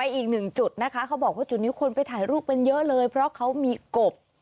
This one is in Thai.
อีกหนึ่งจุดนะคะเขาบอกว่าจุดนี้คนไปถ่ายรูปเป็นเยอะเลยเพราะเขามีกบ